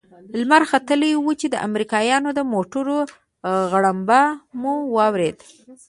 لمر ختلى و چې د امريکايانو د موټرو غړمبه مو واورېد.